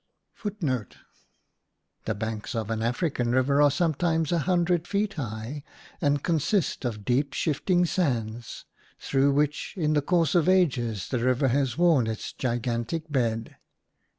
^ And on it an old * The banks of an African river are sometimes a hundred feet high, and consist of deep shifting sands, through which in the course of ages the river has worn its gigantic bed.